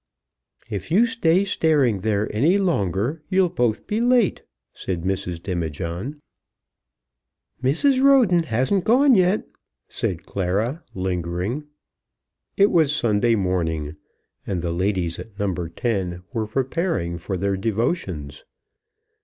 "If you stay staring there any longer you'll both be late," said Mrs. Demijohn. "Mrs. Roden hasn't gone yet," said Clara, lingering. It was Sunday morning, and the ladies at No. 10 were preparing for their devotions.